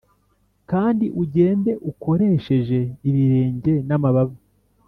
kandi ugende ukoresheje ibirenge n'amababa!